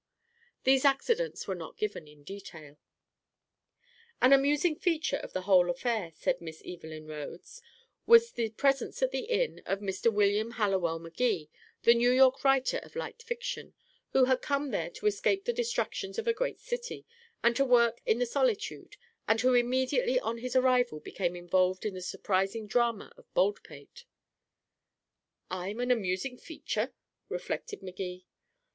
These accidents were not given in detail. "An amusing feature of the whole affair," said Miss Evelyn Rhodes, "was the presence at the inn of Mr. William Hallowell Magee, the New York writer of light fiction, who had come there to escape the distractions of a great city, and to work in the solitude, and who immediately on his arrival became involved in the surprising drama of Baldpate." "I'm an amusing feature," reflected Magee.